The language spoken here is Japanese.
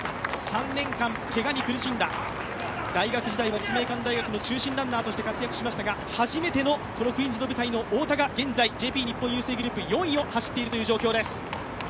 ３年間けがに苦しんだ、大学時代、立命館大学の中心ランナーとして活躍しましたが初めてのこのクイーンズの舞台の太田が現在、４位を走っている状況です。